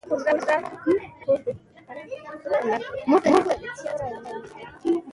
ماشومان د هرې ټولنې د راتلونکي ملا تېر ګڼل کېږي.